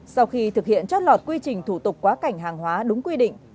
sau khi thực hiện chót lọt quy trình thủ tục quá cảnh hàng hóa đúng quy định